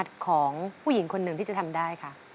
เปลี่ยนเพลงเพลงเก่งของคุณและข้ามผิดได้๑คำ